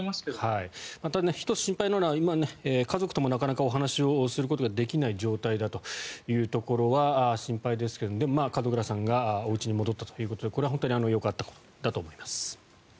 １つ心配なのは家族ともなかなかお話をすることができない状態だというところは心配ですけども、門倉さんがおうちに戻ったということでこれは本当によかったと思います。